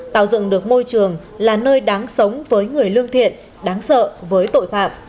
tạo dựng được môi trường là nơi đáng sống với người lương thiện đáng sợ với tội phạm